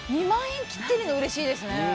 ２万円切ってるの嬉しいですね。